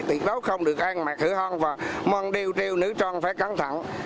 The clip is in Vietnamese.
tuyệt đối không được an mạc hữu hôn và mong đều triều nữ trang phải căng thẳng